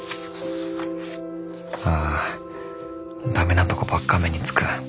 ああダメなとこばっか目につく。